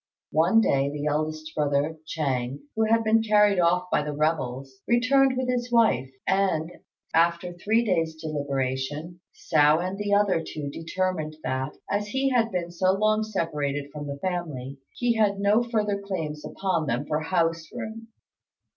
One day the eldest brother, Ch'êng, who had been carried off by the rebels, returned with his wife; and, after three days' deliberation, Hsiao and the other two determined that, as he had been so long separated from the family, he had no further claims upon them for house room, &c.